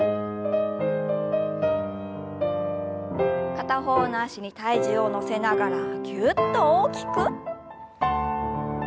片方の脚に体重を乗せながらぎゅっと大きく。